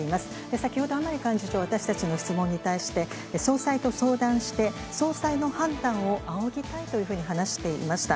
先ほど甘利幹事長、私たちの質問に対して、総裁と相談して、総裁の判断をあおぎたいというふうに話していました。